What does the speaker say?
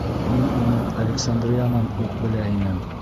Мин уны Александриянан уҡ белә инем.